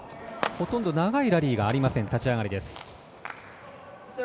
ほとんど長いラリーがありません立ち上がりです。